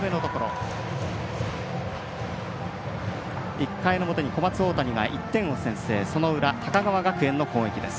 １回の表に、小松大谷が１点を先制、その裏高川学園の攻撃です。